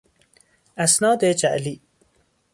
اسناد جعلی